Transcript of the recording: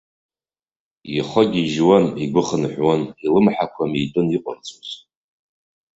Ихы гьежьуан, игәы хынҳәуан, илымҳақәа митәын иҟарҵоз.